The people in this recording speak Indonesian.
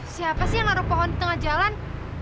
siapa sih yang naruh pohon di tengah jalan